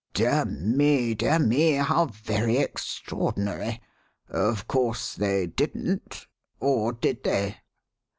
"Dear me, dear me, how very extraordinary! Of course they didn't? Or did they?"